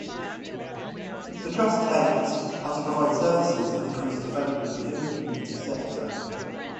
The trust's aims are to provide services and increase development within the community sector.